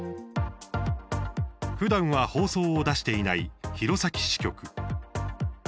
ふだんは放送を出していない弘前支局。